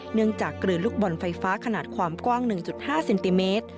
เนื่องจากเกลือลูกบ่อนไฟฟ้าขนาดความกว้าง๑๕เซนติเมตร